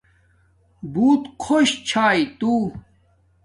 بوت خوش چھاݵݵ تو